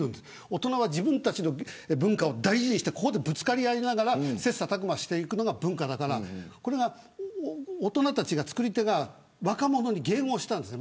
大人は自分たちの文化を大事にしてぶつかり合いながら切磋琢磨していくのが文化だからこれは大人たちが作り手が若者に迎合したんです。